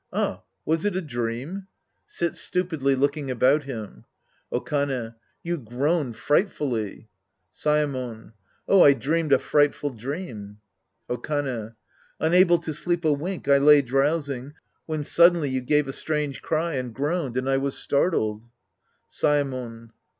Ah, was it a dream ? {Sits stupidly looking about him.) Okane. You groaned frightfully. Saemon. Ah, I dreamed a frightful dream. Okane. Unable to sleep a wink, I lay drowsing, when suddenly you gave a strange cry and groaned, and I was startled. Saemon.